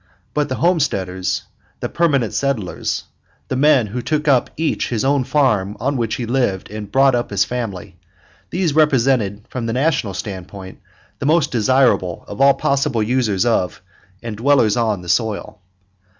But the homesteaders, the permanent settlers, the men who took up each his own farm on which he lived and brought up his family, these represented from the National standpoint the most desirable of all possible users of, and dwellers on, the soil.